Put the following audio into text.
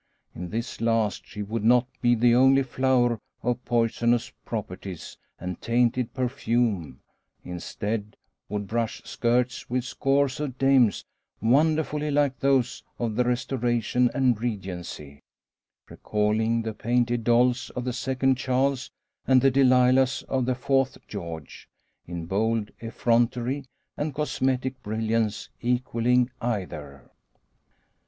In this last she would not be the only flower of poisonous properties and tainted perfume; instead, would brush skirts with scores of dames wonderfully like those of the Restoration and Regency, recalling the painted dolls of the Second Charles, and the Delilahs of the Fourth George; in bold effrontery and cosmetic brilliance equalling either.